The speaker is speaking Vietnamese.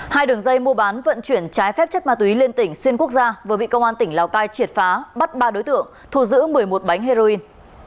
hai đường dây mua bán vận chuyển trái phép chất ma túy liên tỉnh xuyên quốc gia vừa bị công an tỉnh lào cai triệt phá bắt ba đối tượng thu giữ một mươi một bánh heroin